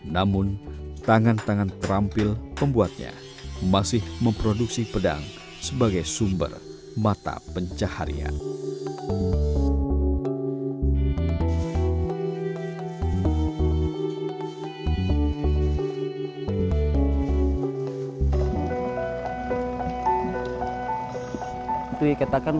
namun tangan tangan terampil pembuatnya masih memproduksi pedang sebagai sumber mata pencaharian